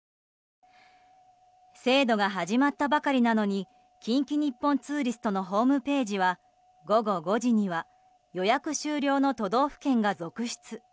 制度が始まったばかりなのに近畿日本ツーリストのホームページは午後５時には予約終了の都道府県が続出。